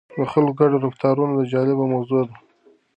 د خلکو ګډ رفتارونه جالبه موضوع ده.